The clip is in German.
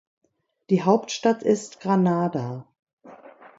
Die Hauptstadt ist Granada.